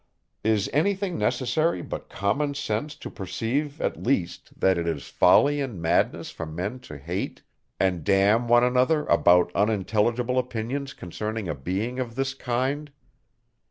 Is any thing necessary but common sense to perceive, at least, that it is folly and madness for men to hate and damn one another about unintelligible opinions concerning a being of this kind?